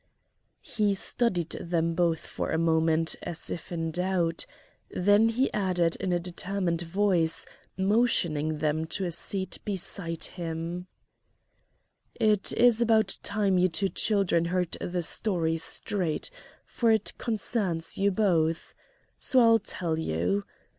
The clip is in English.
He studied them both for a moment, as if in doubt, then he added in a determined voice, motioning them to a seat beside him: "It is about time you two children heard the story straight, for it concerns you both, so I'll tell you.